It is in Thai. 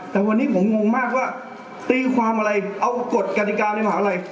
แต่วันนี้ผมงงมากว่าตีความอะไรเอากฎกฎิกาในมหาลัย